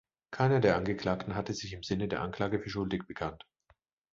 Keiner der Angeklagten hatte sich im Sinne der Anklage für schuldig bekannt.